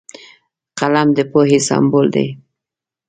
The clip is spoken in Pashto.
قلم د پوهې سمبول دی